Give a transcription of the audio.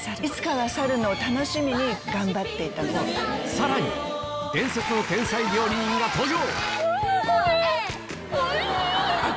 さらに伝説の天才料理人が登場！